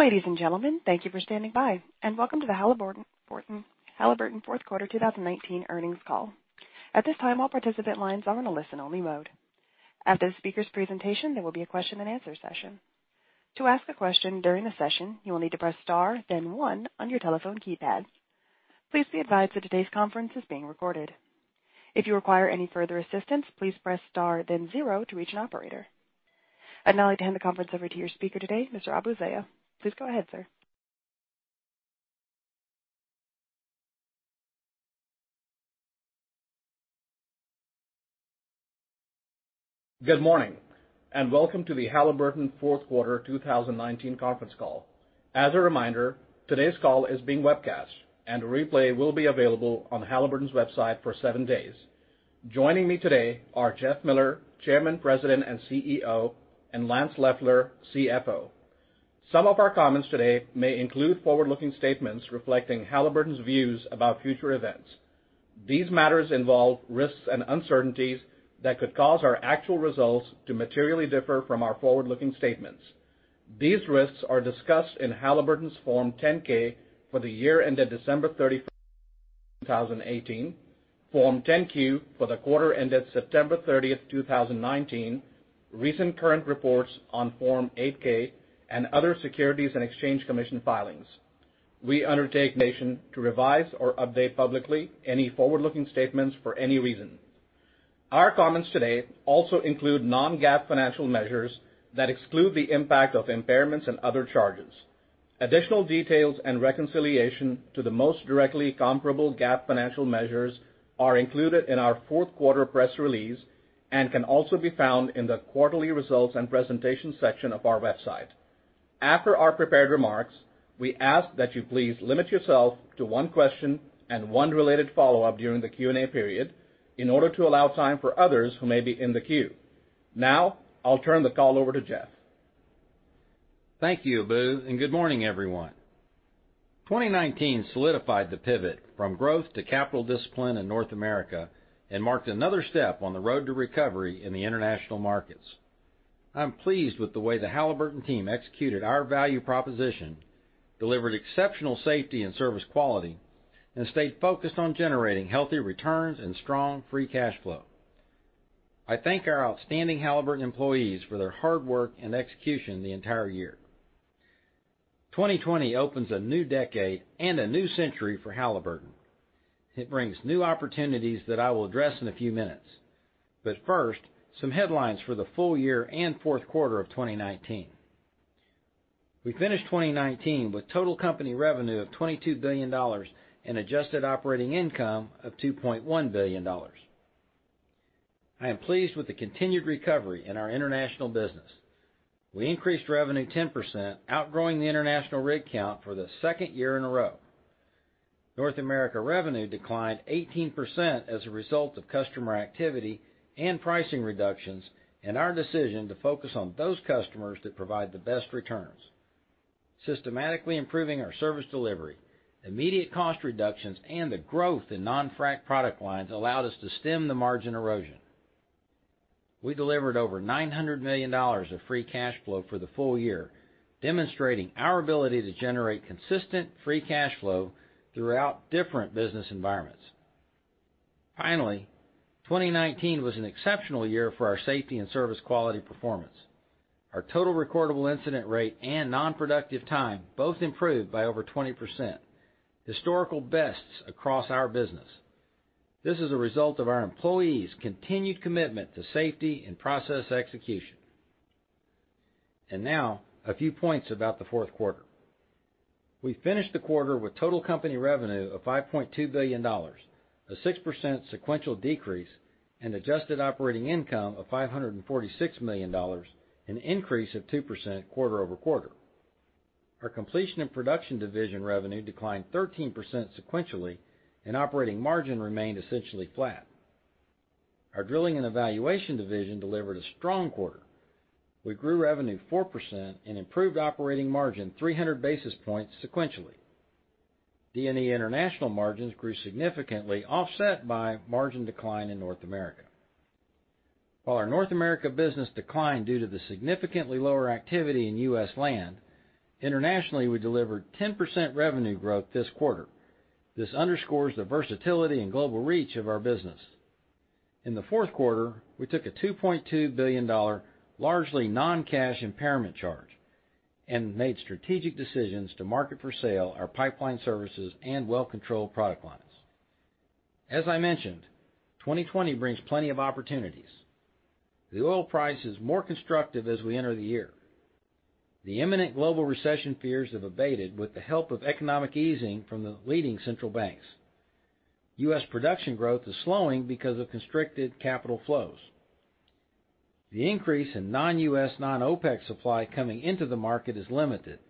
Ladies and gentlemen, thank you for standing by and welcome to the Halliburton fourth quarter 2019 earnings call. At this time, all participant lines are in a listen-only mode. After the speaker's presentation, there will be a question and answer session. To ask a question during the session, you will need to press star then one on your telephone keypad. Please be advised that today's conference is being recorded. If you require any further assistance, please press star then zero to reach an operator. I'd now like to hand the conference over to your speaker today, Mr. Abu Zeya. Please go ahead, sir. Good morning, and welcome to the Halliburton fourth quarter 2019 conference call. As a reminder, today's call is being webcast, and a replay will be available on Halliburton's website for seven days. Joining me today are Jeff Miller, Chairman, President, and CEO, and Lance Loeffler, CFO. Some of our comments today may include forward-looking statements reflecting Halliburton's views about future events. These matters involve risks and uncertainties that could cause our actual results to materially differ from our forward-looking statements. These risks are discussed in Halliburton's Form 10-K for the year ended December 31, 2018, Form 10-Q for the quarter ended September 30th, 2019, recent current reports on Form 8-K and other Securities and Exchange Commission filings. We undertake no obligation to revise or update publicly any forward-looking statements for any reason. Our comments today also include non-GAAP financial measures that exclude the impact of impairments and other charges. Additional details and reconciliation to the most directly comparable GAAP financial measures are included in our fourth quarter press release and can also be found in the quarterly results and presentation section of our website. After our prepared remarks, we ask that you please limit yourself to one question and one related follow-up during the Q&A period in order to allow time for others who may be in the queue. Now, I'll turn the call over to Jeff. Thank you, Abu. Good morning, everyone. 2019 solidified the pivot from growth to capital discipline in North America and marked another step on the road to recovery in the international markets. I'm pleased with the way the Halliburton team executed our value proposition, delivered exceptional safety and service quality, and stayed focused on generating healthy returns and strong free cash flow. I thank our outstanding Halliburton employees for their hard work and execution the entire year. 2020 opens a new decade and a new century for Halliburton. It brings new opportunities that I will address in a few minutes. First, some headlines for the full year and fourth quarter of 2019. We finished 2019 with total company revenue of $22 billion and adjusted operating income of $2.1 billion. I am pleased with the continued recovery in our international business. We increased revenue 10%, outgrowing the international rig count for the second year in a row. North America revenue declined 18% as a result of customer activity and pricing reductions, and our decision to focus on those customers that provide the best returns. Systematically improving our service delivery, immediate cost reductions, and the growth in non-frac product lines allowed us to stem the margin erosion. We delivered over $900 million of free cash flow for the full year, demonstrating our ability to generate consistent free cash flow throughout different business environments. Finally, 2019 was an exceptional year for our safety and service quality performance. Our total recordable incident rate and non-productive time both improved by over 20%, historical bests across our business. This is a result of our employees' continued commitment to safety and process execution. Now, a few points about the fourth quarter. We finished the quarter with total company revenue of $5.2 billion, a 6% sequential decrease, and adjusted operating income of $546 million, an increase of 2% quarter-over-quarter. Our Completion and Production division revenue declined 13% sequentially, and operating margin remained essentially flat. Our Drilling and Evaluation division delivered a strong quarter. We grew revenue 4% and improved operating margin 300 basis points sequentially. D&E international margins grew significantly, offset by margin decline in North America. While our North America business declined due to the significantly lower activity in U.S. land, internationally, we delivered 10% revenue growth this quarter. This underscores the versatility and global reach of our business. In the fourth quarter, we took a $2.2 billion largely non-cash impairment charge and made strategic decisions to market for sale our pipeline services and well control product lines. As I mentioned, 2020 brings plenty of opportunities. The oil price is more constructive as we enter the year. The imminent global recession fears have abated with the help of economic easing from the leading central banks. U.S. production growth is slowing because of constricted capital flows. The increase in non-U.S., non-OPEC supply coming into the market is limited.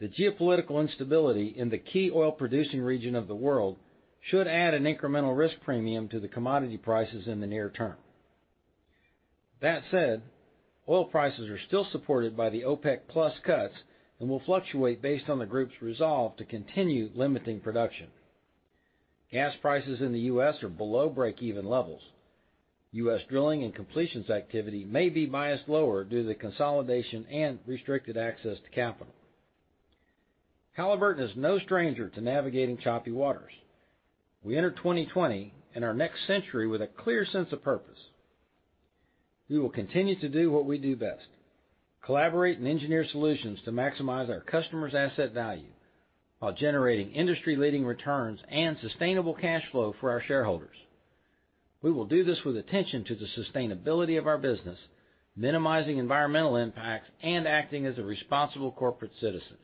The geopolitical instability in the key oil-producing region of the world should add an incremental risk premium to the commodity prices in the near term. That said, oil prices are still supported by the OPEC+ cuts and will fluctuate based on the group's resolve to continue limiting production. Gas prices in the U.S. are below break-even levels. U.S. drilling and completions activity may be biased lower due to the consolidation and restricted access to capital. Halliburton is no stranger to navigating choppy waters. We enter 2020 and our next century with a clear sense of purpose. We will continue to do what we do best, collaborate and engineer solutions to maximize our customers' asset value while generating industry-leading returns and sustainable cash flow for our shareholders. We will do this with attention to the sustainability of our business, minimizing environmental impacts, and acting as a responsible corporate citizen.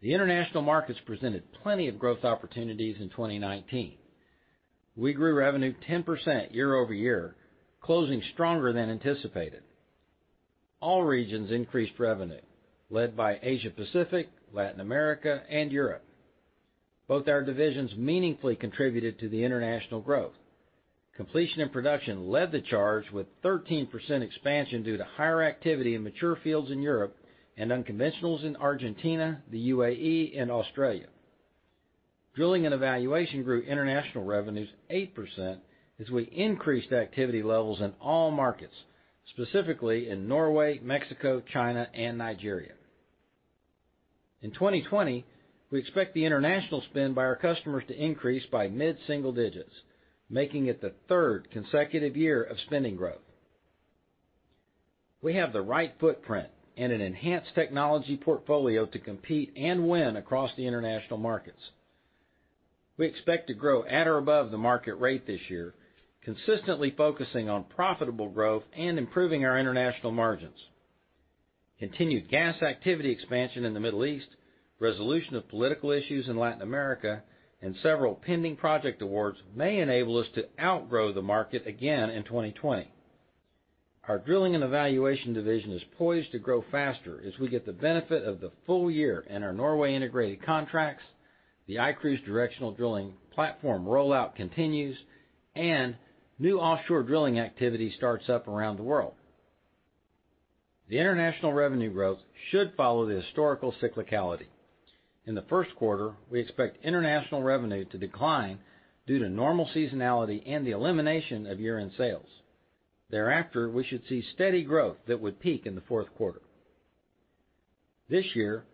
The international markets presented plenty of growth opportunities in 2019. We grew revenue 10% year-over-year, closing stronger than anticipated. All regions increased revenue led by Asia-Pacific, Latin America, and Europe. Both our divisions meaningfully contributed to the international growth. Completion and Production led the charge with 13% expansion due to higher activity in mature fields in Europe and unconventionals in Argentina, the UAE, and Australia. Drilling and Evaluation grew international revenues 8% as we increased activity levels in all markets, specifically in Norway, Mexico, China, and Nigeria. In 2020, we expect the international spend by our customers to increase by mid-single digits, making it the third consecutive year of spending growth. We have the right footprint and an enhanced technology portfolio to compete and win across the international markets. We expect to grow at or above the market rate this year, consistently focusing on profitable growth and improving our international margins. Continued gas activity expansion in the Middle East, resolution of political issues in Latin America, and several pending project awards may enable us to outgrow the market again in 2020. Our Drilling and Evaluation division is poised to grow faster as we get the benefit of the full year in our Norway integrated contracts, the iCruise directional drilling platform rollout continues, and new offshore drilling activity starts up around the world. The international revenue growth should follow the historical cyclicality. In the first quarter, we expect international revenue to decline due to normal seasonality and the elimination of year-end sales. Thereafter, we should see steady growth that would peak in the fourth quarter. This year,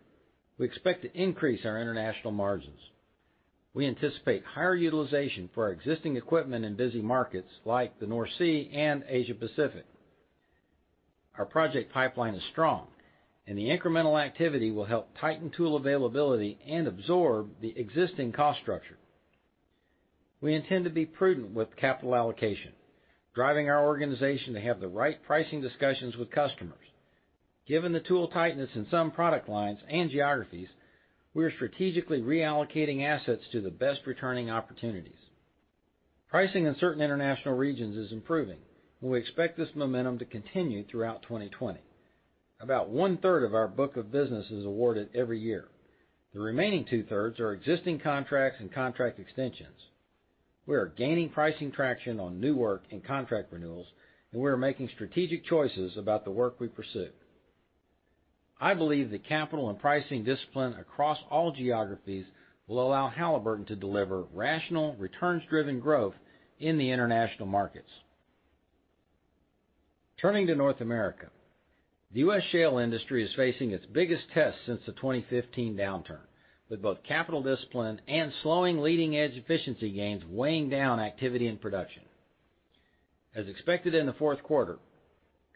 we expect to increase our international margins. We anticipate higher utilization for our existing equipment in busy markets like the North Sea and Asia-Pacific. Our project pipeline is strong, and the incremental activity will help tighten tool availability and absorb the existing cost structure. We intend to be prudent with capital allocation, driving our organization to have the right pricing discussions with customers. Given the tool tightness in some product lines and geographies, we are strategically reallocating assets to the best-returning opportunities. Pricing in certain international regions is improving, and we expect this momentum to continue throughout 2020. About one-third of our book of business is awarded every year. The remaining two-thirds are existing contracts and contract extensions. We are gaining pricing traction on new work and contract renewals, and we are making strategic choices about the work we pursue. I believe the capital and pricing discipline across all geographies will allow Halliburton to deliver rational, returns-driven growth in the international markets. Turning to North America, the U.S. shale industry is facing its biggest test since the 2015 downturn, with both capital discipline and slowing leading-edge efficiency gains weighing down activity and production. As expected in the fourth quarter,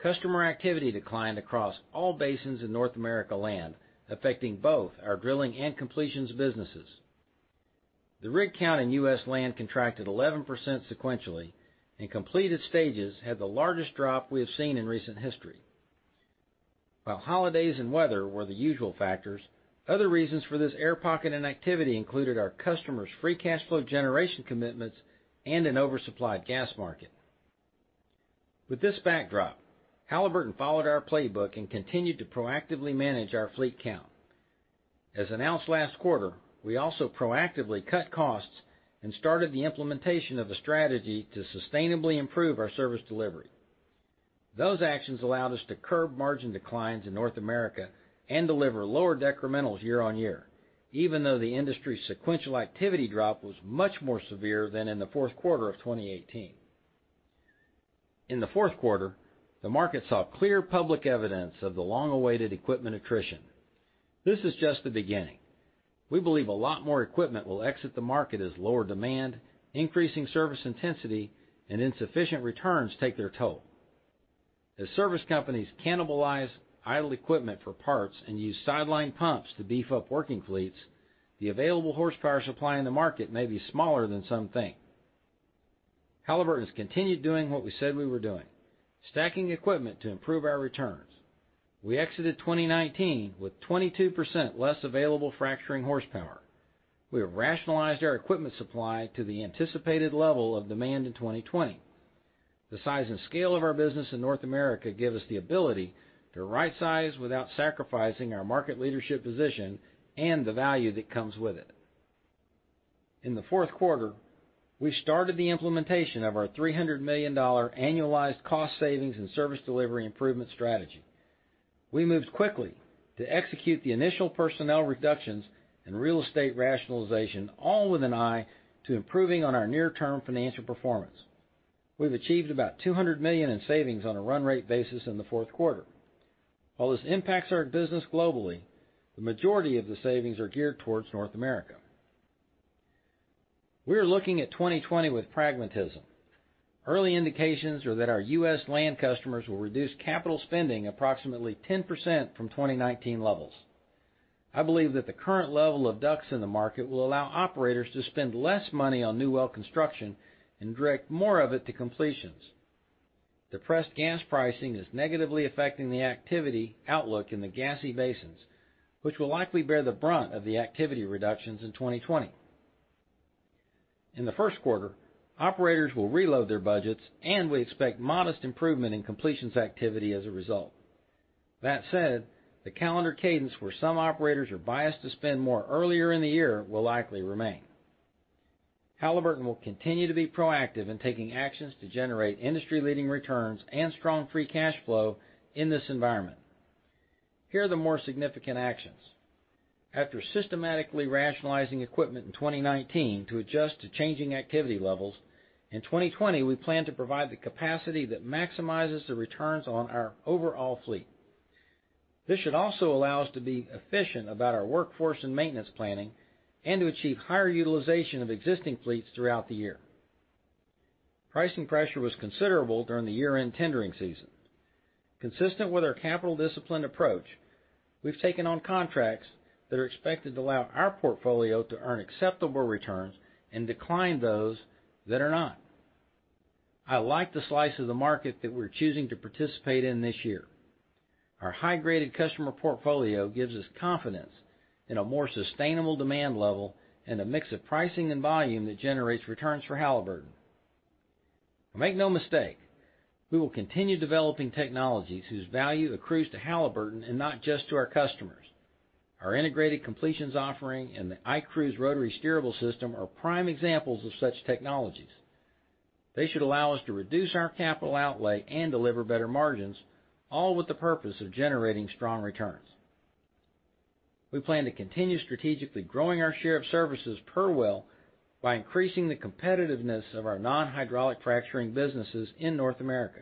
customer activity declined across all basins in North America land, affecting both our drilling and completions businesses. The rig count in U.S. land contracted 11% sequentially, and completed stages had the largest drop we have seen in recent history. While holidays and weather were the usual factors, other reasons for this air pocket in activity included our customers' free cash flow generation commitments and an oversupplied gas market. With this backdrop, Halliburton followed our playbook and continued to proactively manage our fleet count. As announced last quarter, we also proactively cut costs and started the implementation of a strategy to sustainably improve our service delivery. Those actions allowed us to curb margin declines in North America and deliver lower decrementals year-on-year, even though the industry sequential activity drop was much more severe than in the fourth quarter of 2018. In the fourth quarter, the market saw clear public evidence of the long-awaited equipment attrition. This is just the beginning. We believe a lot more equipment will exit the market as lower demand, increasing service intensity, and insufficient returns take their toll. As service companies cannibalize idle equipment for parts and use sidelined pumps to beef up working fleets, the available horsepower supply in the market may be smaller than some think. Halliburton has continued doing what we said we were doing, stacking equipment to improve our returns. We exited 2019 with 22% less available fracturing horsepower. We have rationalized our equipment supply to the anticipated level of demand in 2020. The size and scale of our business in North America give us the ability to rightsize without sacrificing our market leadership position and the value that comes with it. In the fourth quarter, we started the implementation of our $300 million annualized cost savings and service delivery improvement strategy. We moved quickly to execute the initial personnel reductions and real estate rationalization, all with an eye to improving on our near-term financial performance. We've achieved about $200 million in savings on a run-rate basis in the fourth quarter. While this impacts our business globally, the majority of the savings are geared towards North America. We are looking at 2020 with pragmatism. Early indications are that our U.S. land customers will reduce capital spending approximately 10% from 2019 levels. I believe that the current level of DUCs in the market will allow operators to spend less money on new well construction and direct more of it to completions. Depressed gas pricing is negatively affecting the activity outlook in the gassy basins, which will likely bear the brunt of the activity reductions in 2020. In the first quarter, operators will reload their budgets, and we expect modest improvement in completions activity as a result. That said, the calendar cadence where some operators are biased to spend more earlier in the year will likely remain. Halliburton will continue to be proactive in taking actions to generate industry-leading returns and strong free cash flow in this environment. Here are the more significant actions. After systematically rationalizing equipment in 2019 to adjust to changing activity levels, in 2020, we plan to provide the capacity that maximizes the returns on our overall fleet. This should also allow us to be efficient about our workforce and maintenance planning and to achieve higher utilization of existing fleets throughout the year. Pricing pressure was considerable during the year-end tendering season. Consistent with our capital discipline approach, we've taken on contracts that are expected to allow our portfolio to earn acceptable returns and decline those that are not. I like the slice of the market that we're choosing to participate in this year. Our high-graded customer portfolio gives us confidence in a more sustainable demand level and a mix of pricing and volume that generates returns for Halliburton. Make no mistake, we will continue developing technologies whose value accrues to Halliburton and not just to our customers. Our integrated completions offering and the iCruise rotary steerable system are prime examples of such technologies. They should allow us to reduce our capital outlay and deliver better margins, all with the purpose of generating strong returns. We plan to continue strategically growing our share of services per well by increasing the competitiveness of our non-hydraulic fracturing businesses in North America.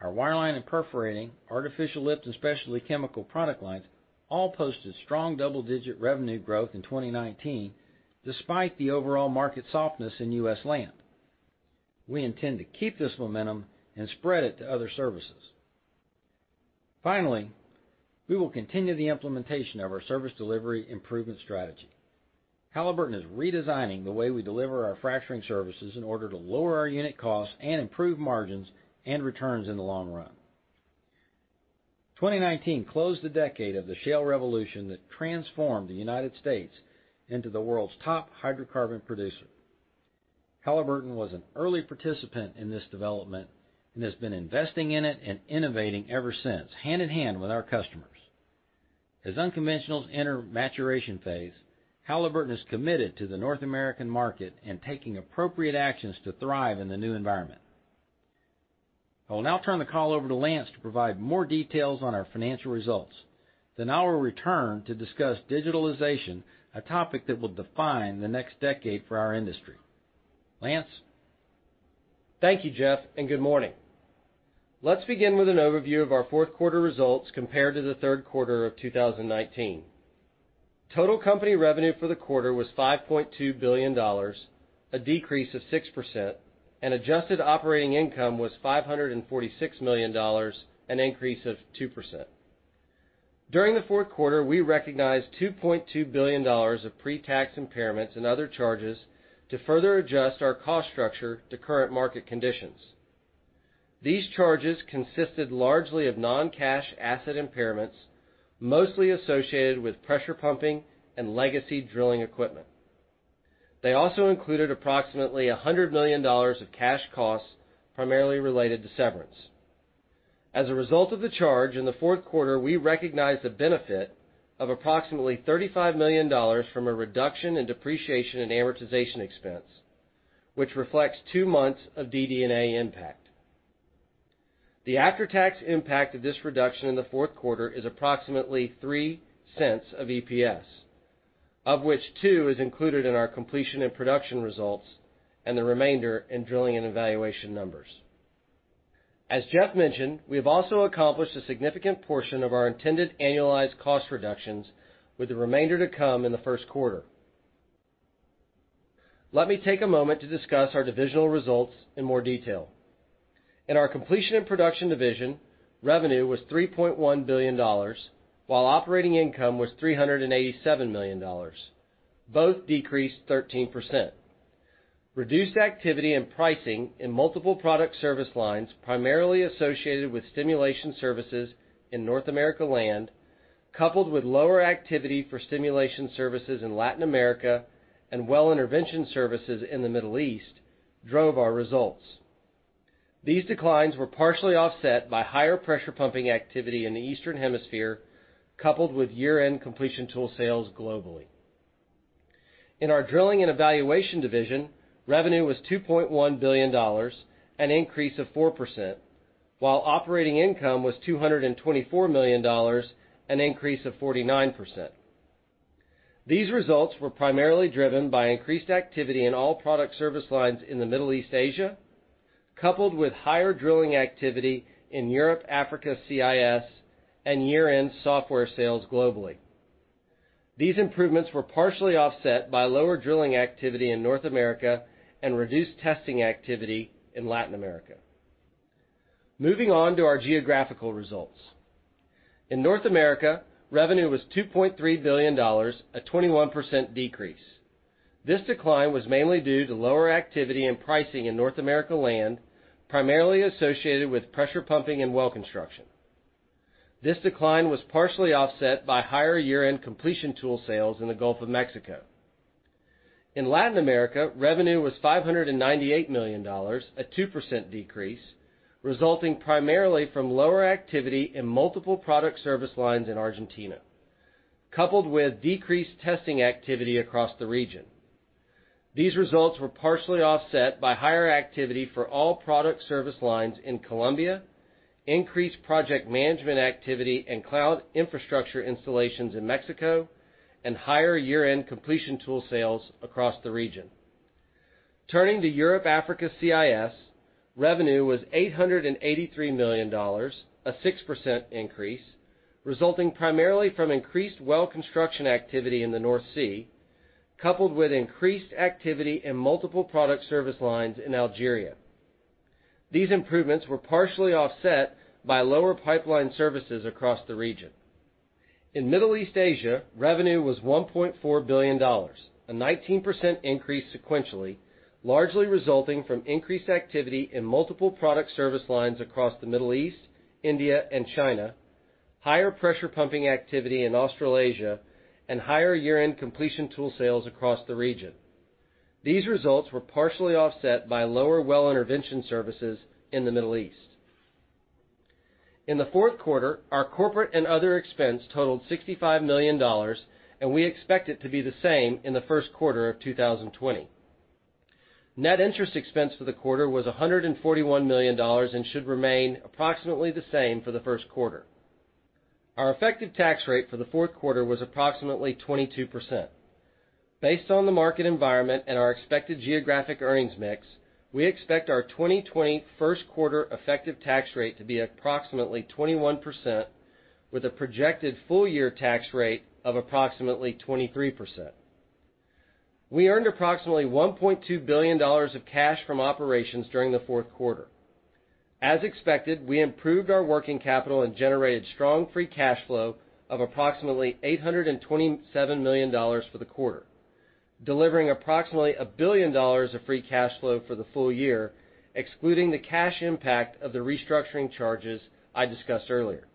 Our wireline and perforating, artificial lift, and specialty chemical product lines all posted strong double-digit revenue growth in 2019, despite the overall market softness in U.S. land. We intend to keep this momentum and spread it to other services. Finally, we will continue the implementation of our service delivery improvement strategy. Halliburton is redesigning the way we deliver our fracturing services in order to lower our unit costs and improve margins and returns in the long run. 2019 closed the decade of the shale revolution that transformed the United States into the world's top hydrocarbon producer. Halliburton was an early participant in this development and has been investing in it and innovating ever since, hand-in-hand with our customers. As unconventionals enter maturation phase, Halliburton is committed to the North American market and taking appropriate actions to thrive in the new environment. I will now turn the call over to Lance to provide more details on our financial results. I will return to discuss digitalization, a topic that will define the next decade for our industry. Lance? Thank you, Jeff. Good morning. Let's begin with an overview of our fourth quarter results compared to the third quarter of 2019. Total company revenue for the quarter was $5.2 billion, a decrease of 6%. Adjusted operating income was $546 million, an increase of 2%. During the fourth quarter, we recognized $2.2 billion of pre-tax impairments and other charges to further adjust our cost structure to current market conditions. These charges consisted largely of non-cash asset impairments, mostly associated with pressure pumping and legacy drilling equipment. They also included approximately $100 million of cash costs, primarily related to severance. As a result of the charge in the fourth quarter, we recognized the benefit of approximately $35 million from a reduction in depreciation and amortization expense, which reflects two months of DD&A impact. The after-tax impact of this reduction in the fourth quarter is approximately $0.03 of EPS, of which $0.02 is included in our Completion and Production results and the remainder in Drilling and Evaluation numbers. As Jeff mentioned, we have also accomplished a significant portion of our intended annualized cost reductions, with the remainder to come in the first quarter. Let me take a moment to discuss our divisional results in more detail. In our Completion and Production division, revenue was $3.1 billion, while operating income was $387 million. Both decreased 13%. Reduced activity and pricing in multiple product service lines, primarily associated with stimulation services in North America land, coupled with lower activity for stimulation services in Latin America and well intervention services in the Middle East, drove our results. These declines were partially offset by higher pressure pumping activity in the Eastern Hemisphere, coupled with year-end completion tool sales globally. In our Drilling and Evaluation division, revenue was $2.1 billion, an increase of 4%, while operating income was $224 million, an increase of 49%. These results were primarily driven by increased activity in all product service lines in the Middle East Asia, coupled with higher drilling activity in Europe, Africa, CIS, and year-end software sales globally. These improvements were partially offset by lower drilling activity in North America and reduced testing activity in Latin America. Moving on to our geographical results. In North America, revenue was $2.3 billion, a 21% decrease. This decline was mainly due to lower activity and pricing in North America land, primarily associated with pressure pumping and well construction. This decline was partially offset by higher year-end completion tool sales in the Gulf of Mexico. In Latin America, revenue was $598 million, a 2% decrease, resulting primarily from lower activity in multiple product service lines in Argentina, coupled with decreased testing activity across the region. These results were partially offset by higher activity for all product service lines in Colombia, increased project management activity and cloud infrastructure installations in Mexico, and higher year-end completion tool sales across the region. Turning to Europe, Africa, CIS, revenue was $883 million, a 6% increase, resulting primarily from increased well construction activity in the North Sea, coupled with increased activity in multiple product service lines in Algeria. These improvements were partially offset by lower pipeline services across the region. In Middle East Asia, revenue was $1.4 billion, a 19% increase sequentially, largely resulting from increased activity in multiple product service lines across the Middle East, India, and China, higher pressure pumping activity in Australasia, and higher year-end completion tool sales across the region. These results were partially offset by lower well intervention services in the Middle East. In the fourth quarter, our corporate and other expense totaled $65 million, and we expect it to be the same in the first quarter of 2020. Net interest expense for the quarter was $141 million and should remain approximately the same for the first quarter. Our effective tax rate for the fourth quarter was approximately 22%. Based on the market environment and our expected geographic earnings mix, we expect our 2020 first quarter effective tax rate to be approximately 21%, with a projected full year tax rate of approximately 23%. We earned approximately $1.2 billion of cash from operations during the fourth quarter. As expected, we improved our working capital and generated strong free cash flow of approximately $827 million for the quarter, delivering approximately $1 billion of free cash flow for the full year, excluding the cash impact of the restructuring charges I discussed earlier.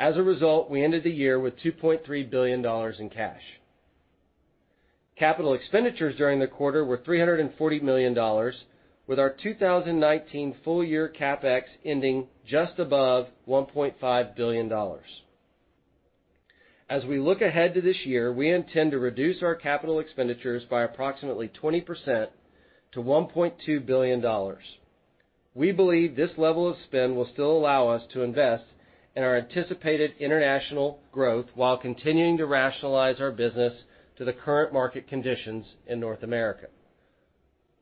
As a result, we ended the year with $2.3 billion in cash. Capital expenditures during the quarter were $340 million, with our 2019 full year CapEx ending just above $1.5 billion. As we look ahead to this year, we intend to reduce our capital expenditures by approximately 20% to $1.2 billion. We believe this level of spend will still allow us to invest in our anticipated international growth while continuing to rationalize our business to the current market conditions in North America.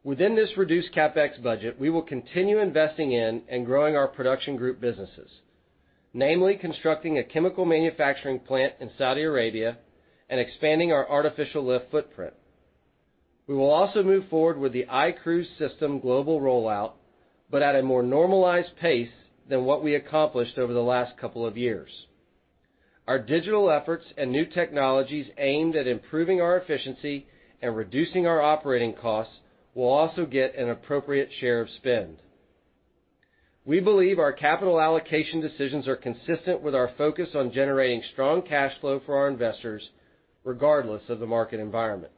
Within this reduced CapEx budget, we will continue investing in and growing our production group businesses, namely constructing a chemical manufacturing plant in Saudi Arabia and expanding our artificial lift footprint. We will also move forward with the iCruise system global rollout, but at a more normalized pace than what we accomplished over the last couple of years. Our digital efforts and new technologies aimed at improving our efficiency and reducing our operating costs will also get an appropriate share of spend. We believe our capital allocation decisions are consistent with our focus on generating strong cash flow for our investors, regardless of the market environment.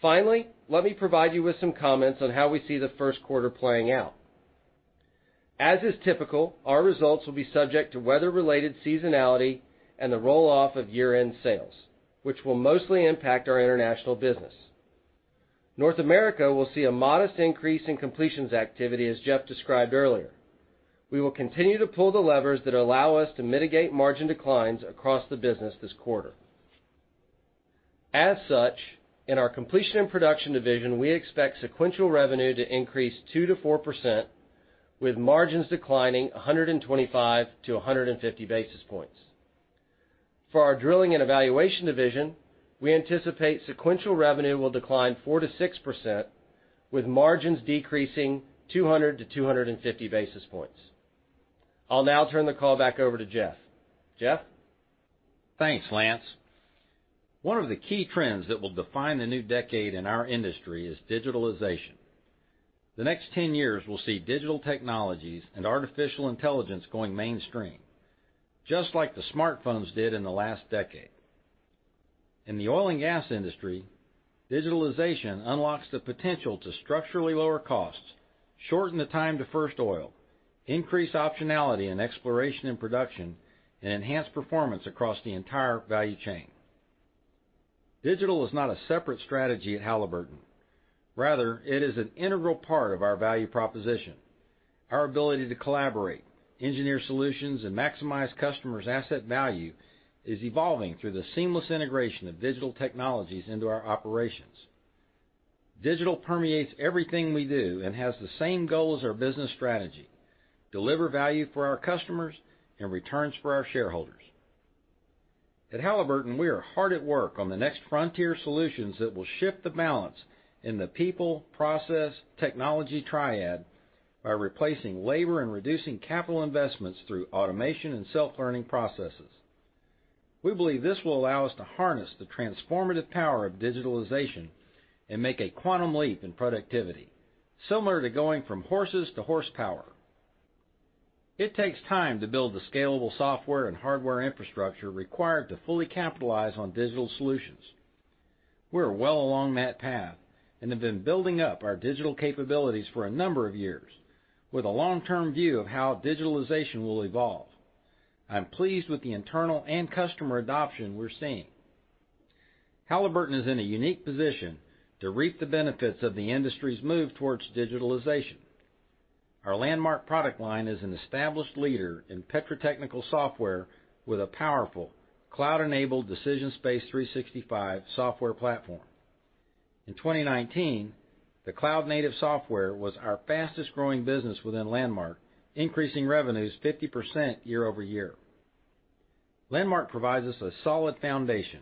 Finally, let me provide you with some comments on how we see the first quarter playing out. As is typical, our results will be subject to weather-related seasonality and the roll-off of year-end sales, which will mostly impact our international business. North America will see a modest increase in completions activity, as Jeff described earlier. We will continue to pull the levers that allow us to mitigate margin declines across the business this quarter. As such, in our Completion and Production division, we expect sequential revenue to increase 2%-4%, with margins declining 125-150 basis points. For our Drilling and Evaluation division, we anticipate sequential revenue will decline 4%-6%, with margins decreasing 200-250 basis points. I'll now turn the call back over to Jeff. Jeff? Thanks, Lance. One of the key trends that will define the new decade in our industry is digitalization. The next 10 years will see digital technologies and artificial intelligence going mainstream, just like the smartphones did in the last decade. In the oil and gas industry, digitalization unlocks the potential to structurally lower costs, shorten the time to first oil, increase optionality in exploration and production, and enhance performance across the entire value chain. Digital is not a separate strategy at Halliburton. Rather, it is an integral part of our value proposition. Our ability to collaborate, engineer solutions, and maximize customers' asset value is evolving through the seamless integration of digital technologies into our operations. Digital permeates everything we do and has the same goal as our business strategy, deliver value for our customers and returns for our shareholders. At Halliburton, we are hard at work on the next frontier solutions that will shift the balance in the people, process, technology triad by replacing labor and reducing capital investments through automation and self-learning processes. We believe this will allow us to harness the transformative power of digitalization and make a quantum leap in productivity, similar to going from horses to horsepower. It takes time to build the scalable software and hardware infrastructure required to fully capitalize on digital solutions. We're well along that path and have been building up our digital capabilities for a number of years with a long-term view of how digitalization will evolve. I'm pleased with the internal and customer adoption we're seeing. Halliburton is in a unique position to reap the benefits of the industry's move towards digitalization. Our Landmark product line is an established leader in petrotechnical software with a powerful cloud-enabled DecisionSpace 365 software platform. In 2019, the cloud-native software was our fastest-growing business within Landmark, increasing revenues 50% year-over-year. Landmark provides us a solid foundation,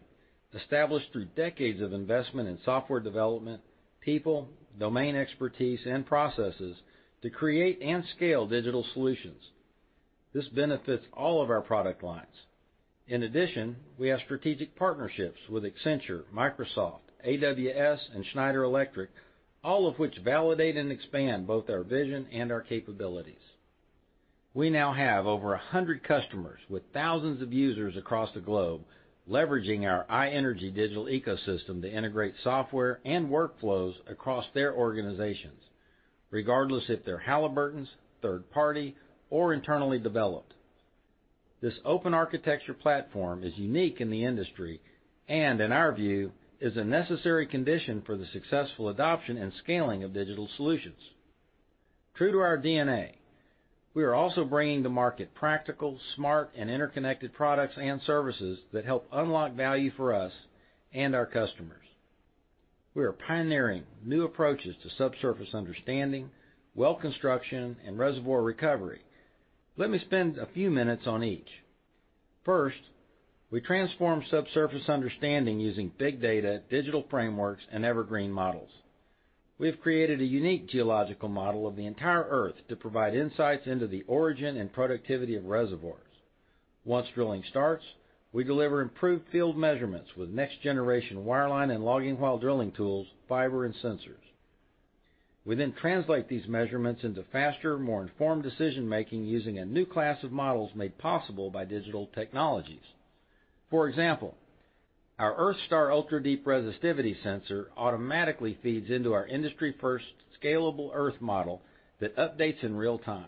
established through decades of investment in software development, people, domain expertise, and processes to create and scale digital solutions. This benefits all of our product lines. In addition, we have strategic partnerships with Accenture, Microsoft, AWS, and Schneider Electric, all of which validate and expand both our vision and our capabilities. We now have over 100 customers with thousands of users across the globe leveraging our iEnergy digital ecosystem to integrate software and workflows across their organizations, regardless if they're Halliburton's, third party, or internally developed. This open architecture platform is unique in the industry and, in our view, is a necessary condition for the successful adoption and scaling of digital solutions. True to our DNA, we are also bringing to market practical, smart, and interconnected products and services that help unlock value for us and our customers. We are pioneering new approaches to subsurface understanding, well construction, and reservoir recovery. Let me spend a few minutes on each. First, we transform subsurface understanding using big data, digital frameworks, and evergreen models. We have created a unique geological model of the entire Earth to provide insights into the origin and productivity of reservoirs. Once drilling starts, we deliver improved field measurements with next-generation wireline and logging while drilling tools, fiber, and sensors. We translate these measurements into faster, more informed decision-making using a new class of models made possible by digital technologies. For example, our EarthStar ultra-deep resistivity sensor automatically feeds into our industry-first scalable Earth model that updates in real time.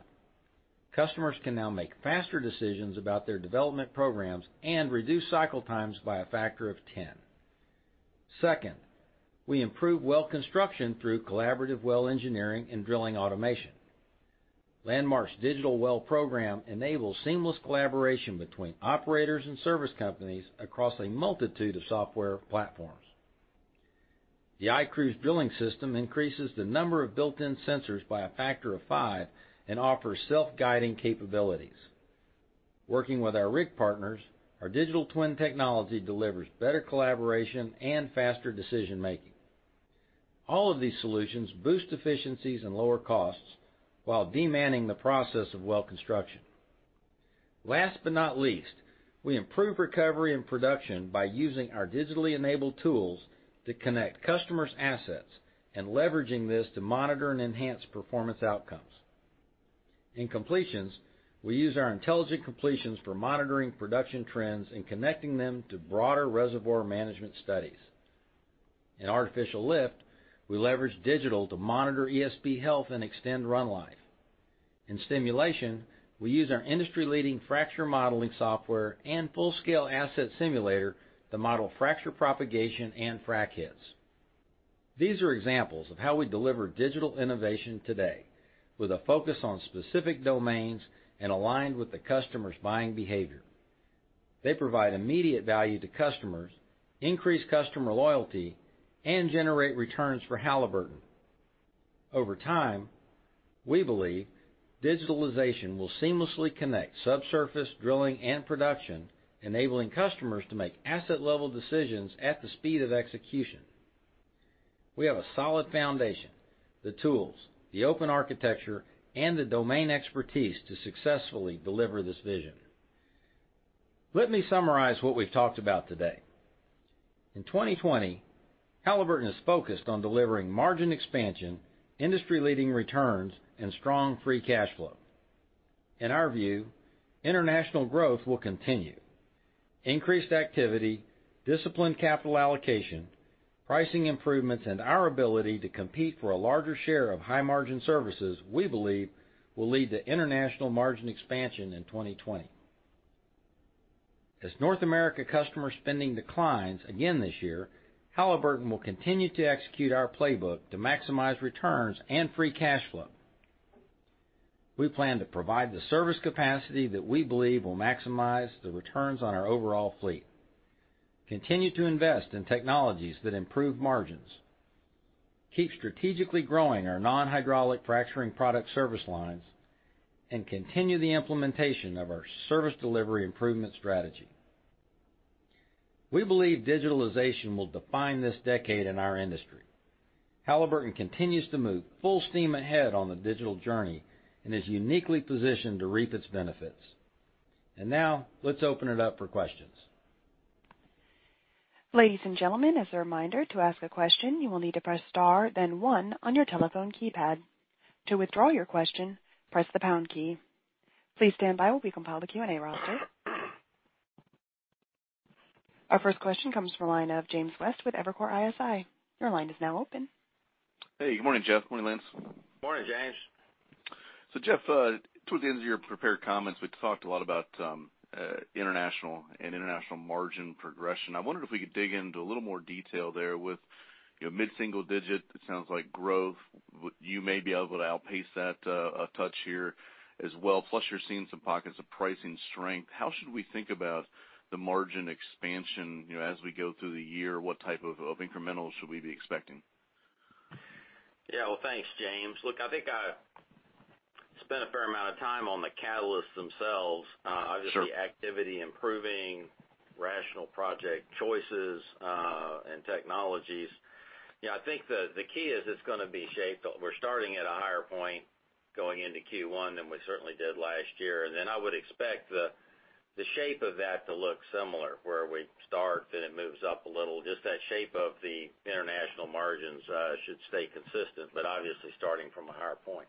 Customers can now make faster decisions about their development programs and reduce cycle times by a factor of 10. Second, we improve well construction through collaborative well engineering and drilling automation. Landmark's digital well program enables seamless collaboration between operators and service companies across a multitude of software platforms. The iCruise drilling system increases the number of built-in sensors by a factor of five and offers self-guiding capabilities. Working with our rig partners, our digital twin technology delivers better collaboration and faster decision-making. All of these solutions boost efficiencies and lower costs while demanding the process of well construction. Last but not least, we improve recovery and production by using our digitally enabled tools to connect customers' assets and leveraging this to monitor and enhance performance outcomes. In completions, we use our intelligent completions for monitoring production trends and connecting them to broader reservoir management studies. In artificial lift, we leverage digital to monitor ESP health and extend run life. In stimulation, we use our industry-leading fracture modeling software and full-scale asset simulator to model fracture propagation and frac hits. These are examples of how we deliver digital innovation today with a focus on specific domains and aligned with the customer's buying behavior. They provide immediate value to customers, increase customer loyalty, and generate returns for Halliburton. Over time, we believe digitalization will seamlessly connect subsurface drilling and production, enabling customers to make asset-level decisions at the speed of execution. We have a solid foundation, the tools, the open architecture, and the domain expertise to successfully deliver this vision. Let me summarize what we've talked about today. In 2020, Halliburton is focused on delivering margin expansion, industry-leading returns, and strong free cash flow. In our view, international growth will continue. Increased activity, disciplined capital allocation, pricing improvements, and our ability to compete for a larger share of high margin services, we believe, will lead to international margin expansion in 2020. As North America customer spending declines again this year, Halliburton will continue to execute our playbook to maximize returns and free cash flow. We plan to provide the service capacity that we believe will maximize the returns on our overall fleet, continue to invest in technologies that improve margins, keep strategically growing our non-hydraulic fracturing product service lines, and continue the implementation of our service delivery improvement strategy. We believe digitalization will define this decade in our industry. Halliburton continues to move full steam ahead on the digital journey and is uniquely positioned to reap its benefits. Now, let's open it up for questions. Ladies and gentlemen, as a reminder, to ask a question, you will need to press star then one on your telephone keypad. To withdraw your question, press the pound key. Please stand by while we compile the Q&A roster. Our first question comes from the line of James West with Evercore ISI. Your line is now open. Hey, good morning, Jeff. Morning, Lance. Morning, James. Jeff, towards the end of your prepared comments, we talked a lot about international and international margin progression. I wondered if we could dig into a little more detail there with mid-single digit, it sounds like growth. You may be able to outpace that a touch here as well, plus you're seeing some pockets of pricing strength. How should we think about the margin expansion as we go through the year? What type of incrementals should we be expecting? Yeah. Well, thanks, James. Look, I think I spent a fair amount of time on the catalysts themselves. Sure. Obviously, activity improving, rational project choices, and technologies. I think the key is it's going to be shaped. We're starting at a higher point going into Q1 than we certainly did last year. I would expect the shape of that to look similar, where we start, then it moves up a little. Just that shape of the international margins should stay consistent, but obviously starting from a higher point.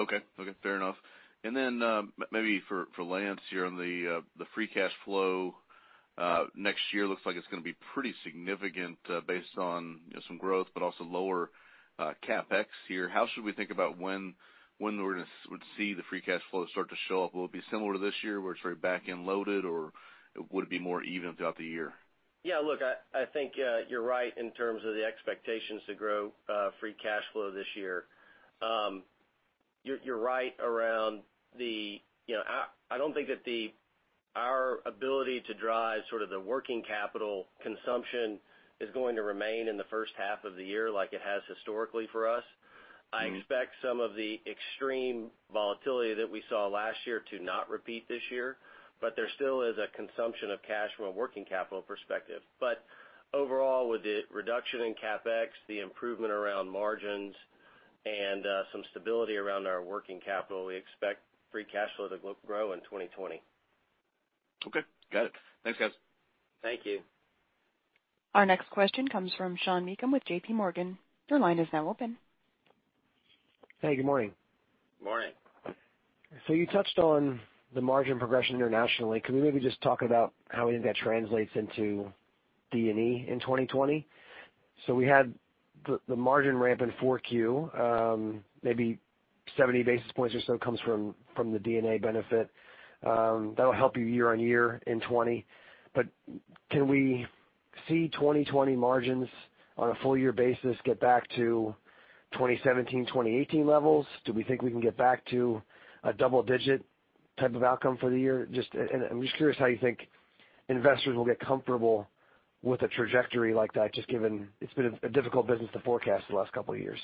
Okay. Fair enough. Maybe for Lance here on the free cash flow. Next year looks like it's going to be pretty significant based on some growth, but also lower CapEx here. How should we think about when we're going to see the free cash flow start to show up? Will it be similar to this year, where it's very back-end loaded, or would it be more even throughout the year? Yeah, look, I think you're right in terms of the expectations to grow free cash flow this year. You're right. I don't think that our ability to drive sort of the working capital consumption is going to remain in the first half of the year like it has historically for us. I expect some of the extreme volatility that we saw last year to not repeat this year, but there still is a consumption of cash from a working capital perspective. Overall, with the reduction in CapEx, the improvement around margins, and some stability around our working capital, we expect free cash flow to grow in 2020. Okay. Got it. Thanks, guys. Thank you. Our next question comes from Sean Meakim with JPMorgan. Your line is now open. Hey, good morning. Morning. You touched on the margin progression internationally. Can we maybe just talk about how any of that translates into D&E in 2020? We had the margin ramp in 4Q, maybe 70 basis points or so comes from the D&A benefit. That'll help you year-on-year in 2020. Can we see 2020 margins on a full year basis get back to 2017, 2018 levels? Do we think we can get back to a double-digit type of outcome for the year? I'm just curious how you think investors will get comfortable with a trajectory like that, just given it's been a difficult business to forecast the last couple of years.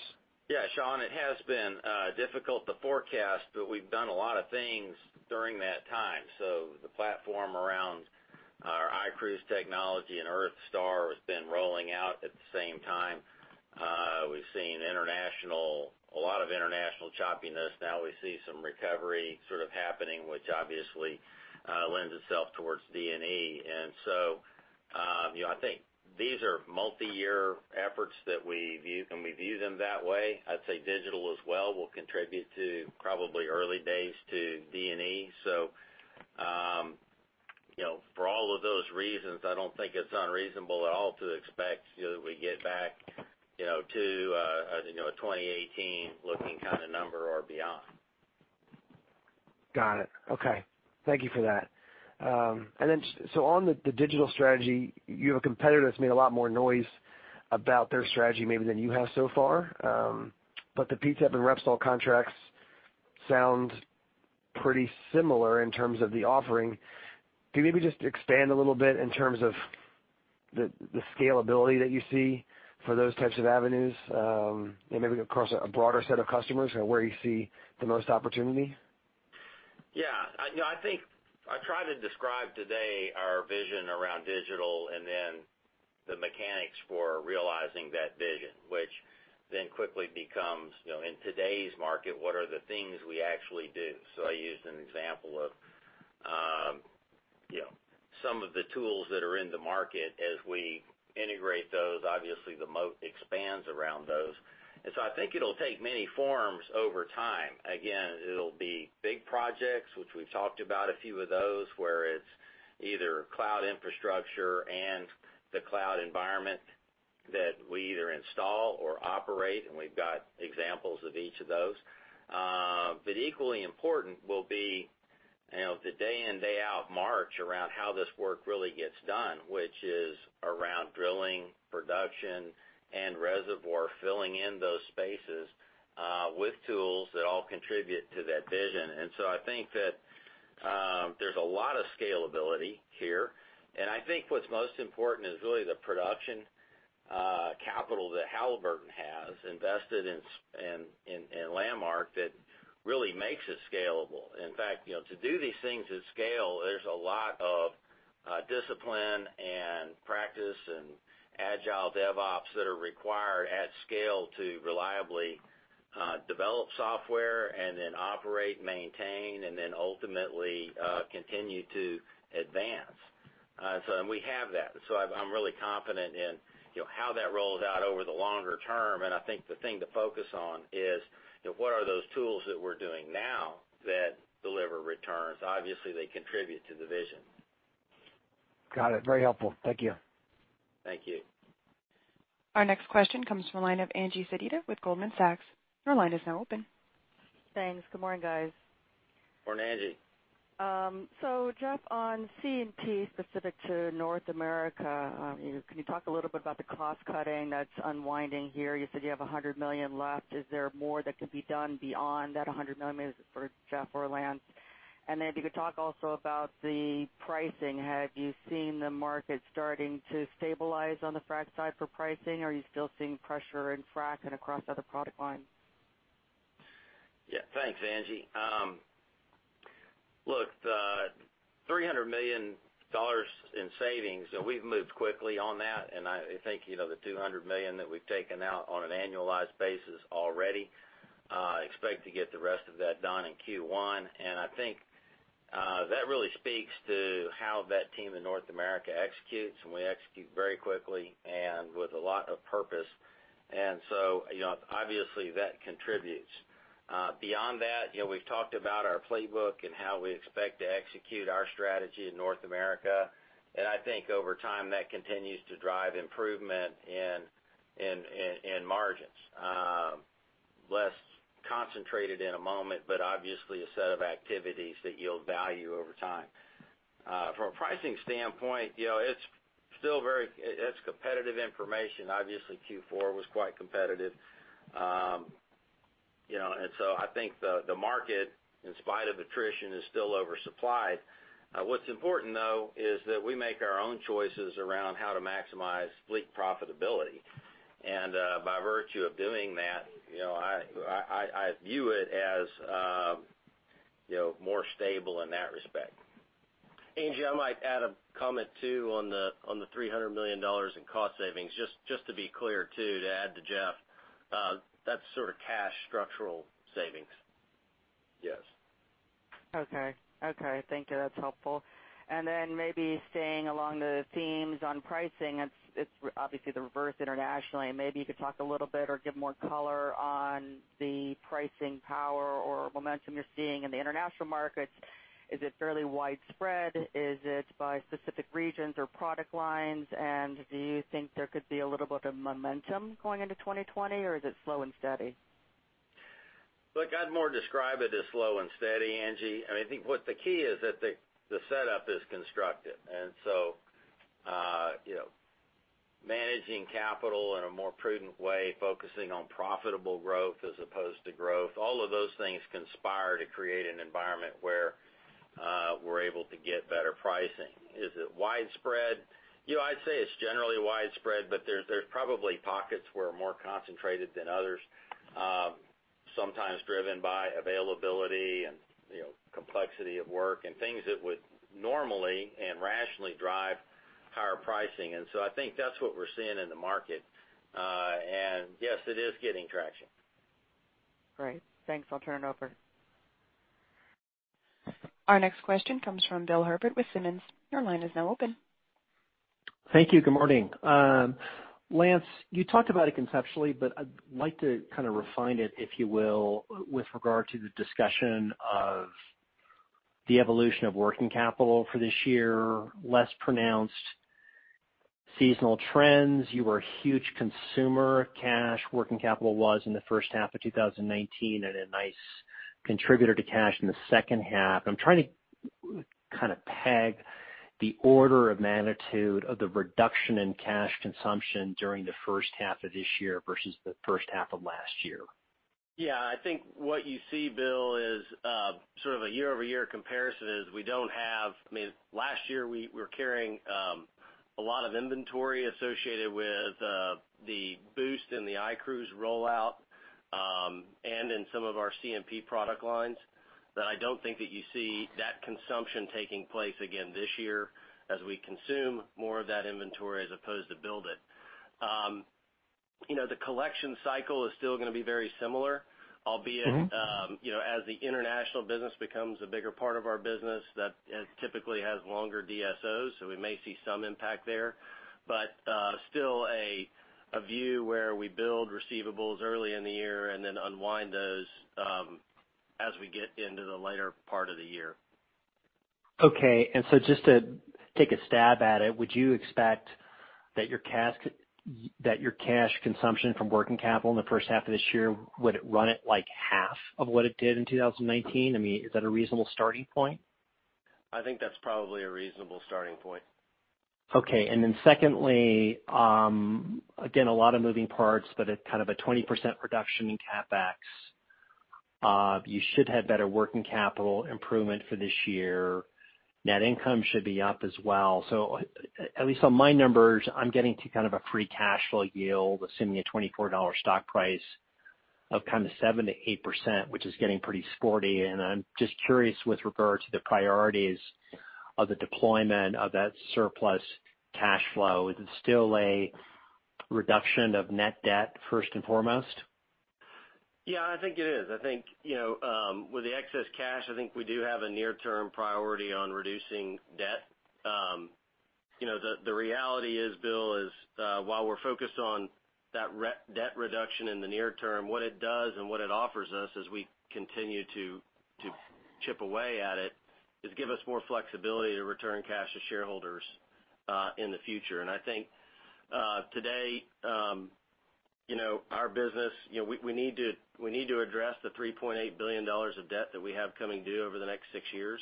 Yeah, Sean, it has been difficult to forecast, but we've done a lot of things during that time. The platform around our iCruise technology and EarthStar has been rolling out at the same time. We've seen a lot of international choppiness. Now we see some recovery sort of happening, which obviously lends itself towards D&E. I think these are multi-year efforts, and we view them that way. I'd say digital as well will contribute to probably early days to D&E. For all of those reasons, I don't think it's unreasonable at all to expect that we get back to a 2018 looking kind of number or beyond. Got it. Okay. Thank you for that. On the digital strategy, you have a competitor that's made a lot more noise about their strategy maybe than you have so far. The PTTEP and Repsol contracts sound pretty similar in terms of the offering. Can you maybe just expand a little bit in terms of the scalability that you see for those types of avenues? Maybe across a broader set of customers and where you see the most opportunity? Yeah. I think I tried to describe today our vision around digital and then the mechanics for realizing that vision, which then quickly becomes in today's market, what are the things we actually do? I used an example of some of the tools that are in the market as we integrate those, obviously the moat expands around those. I think it'll take many forms over time. Again, it'll be big projects, which we've talked about a few of those, where it's either cloud infrastructure and the cloud environment that we either install or operate, and we've got examples of each of those. Equally important will be the day in, day out march around how this work really gets done, which is around drilling, production, and reservoir, filling in those spaces, with tools that all contribute to that vision. I think that there's a lot of scalability here, and I think what's most important is really the production capital that Halliburton has invested in Landmark that really makes it scalable. In fact, to do these things at scale, there's a lot of discipline and practice and agile DevOps that are required at scale to reliably develop software and then operate, maintain, and then ultimately, continue to advance. We have that. I'm really confident in how that rolls out over the longer term. I think the thing to focus on is, what are those tools that we're doing now that deliver returns? Obviously, they contribute to the vision. Got it. Very helpful. Thank you. Thank you. Our next question comes from the line of Angie Sedita with Goldman Sachs. Your line is now open. Thanks. Good morning, guys. Morning, Angie. Jeff, on C&P specific to North America, can you talk a little bit about the cost cutting that's unwinding here? You said you have $100 million left. Is there more that could be done beyond that $100 million? This is for Jeff or Lance. If you could talk also about the pricing. Have you seen the market starting to stabilize on the frac side for pricing, or are you still seeing pressure in frac and across other product lines? Thanks, Angie. Look, the $300 million in savings, we've moved quickly on that, and I think, the $200 million that we've taken out on an annualized basis already. Expect to get the rest of that done in Q1. I think that really speaks to how that team in North America executes, and we execute very quickly and with a lot of purpose. Obviously that contributes. Beyond that, we've talked about our playbook and how we expect to execute our strategy in North America. I think over time, that continues to drive improvement in margins. Less concentrated in a moment, but obviously a set of activities that yield value over time. From a pricing standpoint, it's competitive information. Obviously, Q4 was quite competitive. I think the market, in spite of attrition, is still oversupplied. What's important though, is that we make our own choices around how to maximize fleet profitability. By virtue of doing that, I view it as more stable in that respect. Angie, I might add a comment too on the $300 million in cost savings. Just to be clear too, to add to Jeff, that's sort of cash structural savings. Yes. Okay. Thank you. That's helpful. Maybe staying along the themes on pricing, it's obviously the reverse internationally, and maybe you could talk a little bit or give more color on the pricing power or momentum you're seeing in the international markets. Is it fairly widespread? Is it by specific regions or product lines? Do you think there could be a little bit of momentum going into 2020, or is it slow and steady? Look, I'd more describe it as slow and steady, Angie. I think what the key is that the setup is constructive. Managing capital in a more prudent way, focusing on profitable growth as opposed to growth. All of those things conspire to create an environment where we're able to get better pricing. Is it widespread? I'd say it's generally widespread, but there's probably pockets where are more concentrated than others, sometimes driven by availability and complexity of work and things that would normally and rationally drive higher pricing. I think that's what we're seeing in the market. Yes, it is getting traction. Great. Thanks. I'll turn it over. Our next question comes from Bill Herbert with Simmons. Your line is now open. Thank you. Good morning. Lance, you talked about it conceptually, but I'd like to kind of refine it, if you will, with regard to the discussion of the evolution of working capital for this year, less pronounced seasonal trends. You were a huge consumer of cash, working capital was in the first half of 2019. A nice contributor to cash in the second half. I'm trying to kind of peg the order of magnitude of the reduction in cash consumption during the first half of this year versus the first half of last year. Yeah. I think what you see, Bill, is sort of a year-over-year comparison. Last year, we were carrying a lot of inventory associated with the boost in the iCruise rollout, and in some of our C&P product lines that I don't think that you see that consumption taking place again this year as we consume more of that inventory as opposed to build it. The collection cycle is still going to be very similar. As the international business becomes a bigger part of our business, that typically has longer DSOs, so we may see some impact there. Still a view where we build receivables early in the year and then unwind those as we get into the later part of the year. Okay. Just to take a stab at it, would you expect that your cash consumption from working capital in the first half of this year, would it run at half of what it did in 2019? Is that a reasonable starting point? I think that's probably a reasonable starting point. Okay. Secondly, again, a lot of moving parts, but at kind of a 20% reduction in CapEx, you should have better working capital improvement for this year. Net income should be up as well. At least on my numbers, I'm getting to kind of a free cash flow yield, assuming a $24 stock price of kind of 7%-8%, which is getting pretty sporty. I'm just curious with regard to the priorities of the deployment of that surplus cash flow. Is it still a reduction of net debt first and foremost? Yeah, I think it is. I think, with the excess cash, I think we do have a near-term priority on reducing debt. The reality is, Bill, while we're focused on that debt reduction in the near term, what it does and what it offers us as we continue to chip away at it, is give us more flexibility to return cash to shareholders in the future. I think today, our business, we need to address the $3.8 billion of debt that we have coming due over the next six years.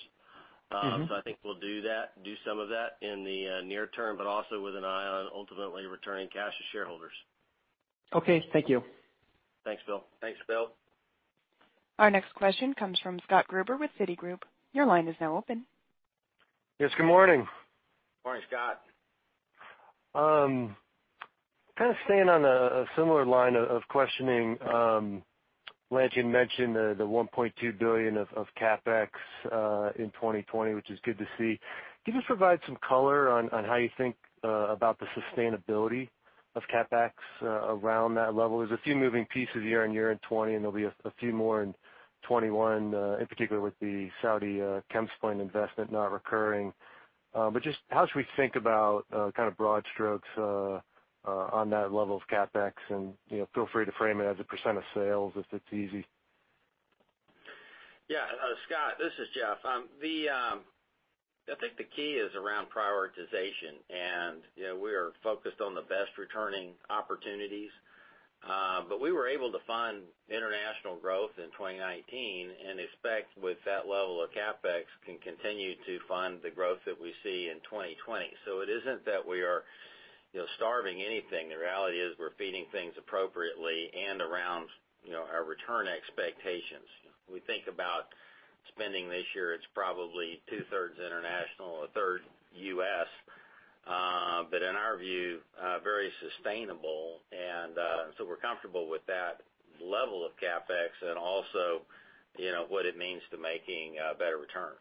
I think we'll do some of that in the near term, but also with an eye on ultimately returning cash to shareholders. Okay, thank you. Thanks, Bill. Thanks, Bill. Our next question comes from Scott Gruber with Citigroup. Your line is now open. Yes, good morning. Morning, Scott. Kind of staying on a similar line of questioning. Lance, you mentioned the $1.2 billion of CapEx in 2020, which is good to see. Can you just provide some color on how you think about the sustainability of CapEx around that level? There's a few moving pieces year and year in 2020, and there'll be a few more in 2021, in particular with the Saudi chem plant investment not recurring. Just how should we think about kind of broad strokes on that level of CapEx and feel free to frame it as a percent of sales if it's easy. Yeah. Scott, this is Jeff. I think the key is around prioritization, and we are focused on the best returning opportunities. We were able to fund international growth in 2019 and expect with that level of CapEx, can continue to fund the growth that we see in 2020. It isn't that we are starving anything. The reality is we're feeding things appropriately and around our return expectations. We think about spending this year, it's probably two-thirds international, a third U.S. In our view, very sustainable. We're comfortable with that level of CapEx and also what it means to making better returns.